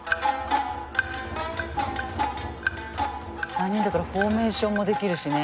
３人だからフォーメーションもできるしね。